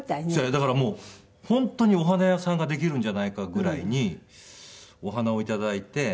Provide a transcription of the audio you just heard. だからもう本当にお花屋さんができるんじゃないかぐらいにお花を頂いて。